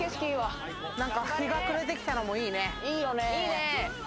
日が暮れてきたのもいいね。